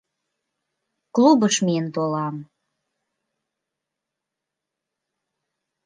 — Клубыш миен толам.